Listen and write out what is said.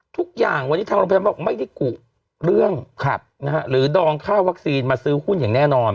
ทุกอย่างวันนี้ทางโรงพยาบาลบอกไม่ได้กุเรื่องหรือดองค่าวัคซีนมาซื้อหุ้นอย่างแน่นอน